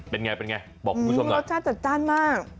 เป็นไงเป็นไงรสชาติจัดจ้านมาก